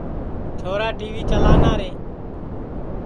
چھورا ٹی وی چلانا رے